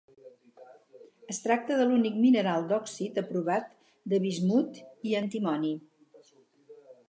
Es tracta de l'únic mineral d'òxid aprovat de bismut i antimoni.